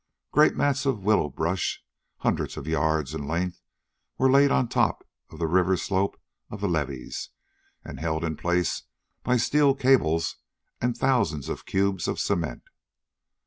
Great mats of willow brush, hundreds of yards in length, were laid on top of the river slope of the levees and held in place by steel cables and thousands of cubes of cement.